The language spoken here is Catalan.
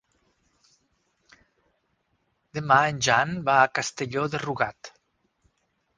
Demà en Jan va a Castelló de Rugat.